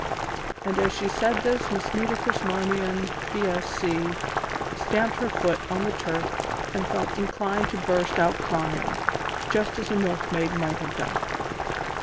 And as she said this Miss Nitocris Marmion, B.Sc., stamped her foot on the turf and felt inclined to burst out crying, just as a milkmaid might have done.